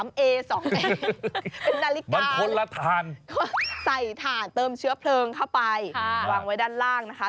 เป็นนาฬิกาคนละถ่านใส่ถ่านเติมเชื้อเพลิงเข้าไปวางไว้ด้านล่างนะคะ